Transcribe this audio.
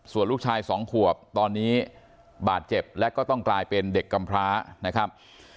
ส่วนลูกชายสองขวบตอนนี้บาดเจ็บและก็ต้องกลายเป็นเด็กกำพร้านะครับ